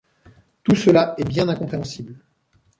Tout cela est bien incompréhensible…